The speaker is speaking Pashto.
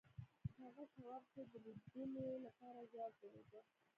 هغه شواب ته د لیدلو لپاره ځواب ولېږه